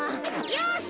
よし！